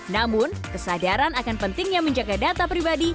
namun kesadaran akan pentingnya menjaga data pribadi